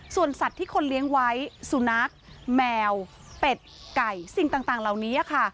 ส่วนสัตว์ที่คนเลี้ยงไว้สุนัขแมวเป็ดไก่สิ่งต่างเหล่านี้ค่ะ